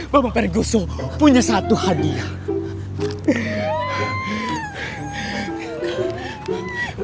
bambang perguso punya satu hadiah